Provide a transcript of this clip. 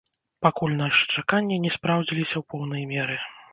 Пакуль нашы чаканні не спраўдзіліся ў поўнай меры.